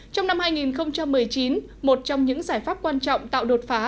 trong năm hai nghìn một mươi chín một trong những giải pháp quan trọng tạo đột phá